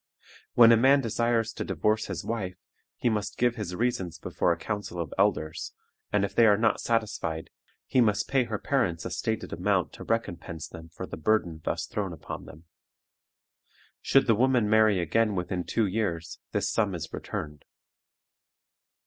When a man desires to divorce his wife, he must give his reasons before a council of elders, and if they are not satisfied, he must pay her parents a stated amount to recompense them for the burden thus thrown upon them. Should the woman marry again within two years, this sum is returned.